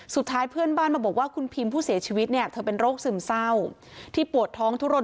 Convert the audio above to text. สุดท้ายเพื่อนบ้านมาบอกว่าคุณพิมพ์ผู้เสียชีวิตเนี่ย